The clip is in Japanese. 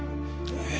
ええ。